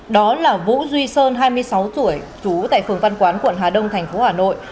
đó là vũ duy sơn hai mươi sáu tuổi trú tại phường văn quán quận hà đông thành phố hà nội